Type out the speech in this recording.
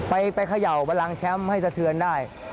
ไปเขย่าบันลังแชมป์ให้สะเทือนได้